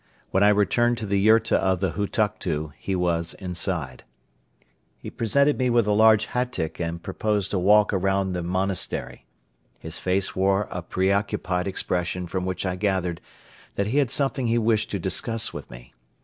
When I returned to the yurta of the Hutuktu, he was inside. He presented me with a large hatyk and proposed a walk around the monastery. His face wore a preoccupied expression from which I gathered that he had something he wished to discuss with me.